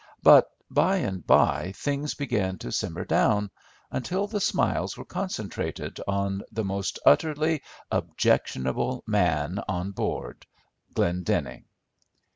But by and by things began to simmer down until the smiles were concentrated on the most utterly objectionable man on board—Glendenning.